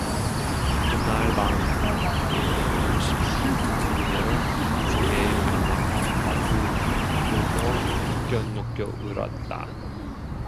그날 밤 영신은 어머니를 꿈속에 만나서 마주 붙들고 느껴느껴 울었다.